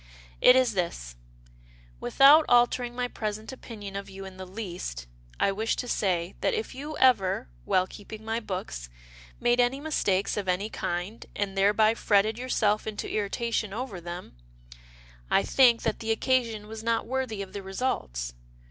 It is this — without alter ing my present opinion of you in the least, I wish to say, that if you ever, while keeping my books, made any mistakes of any kind, and thereby fretted yourself into irritation over them, I think that the MILD FORGIVENESS 89 occasion was not worthy of the results.